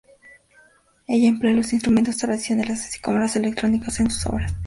Ella emplea los instrumentos tradicionales así como los electrónicos en sus obras.